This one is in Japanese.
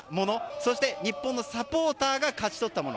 そして日本のサポーターが勝ち取ったもの。